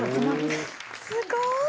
すごい！